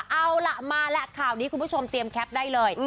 เอาล่ะมาแล้วข่าวนี้คุณผู้ชมเตรียมแคปได้เลย